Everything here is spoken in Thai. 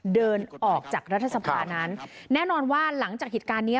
เดินออกจากรัฐสภานั้นแน่นอนว่าหลังจากเหตุการณ์เนี้ย